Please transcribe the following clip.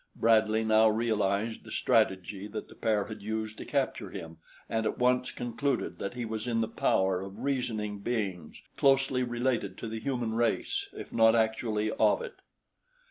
Bradley now realized the strategy that the pair had used to capture him and at once concluded that he was in the power of reasoning beings closely related to the human race if not actually of it.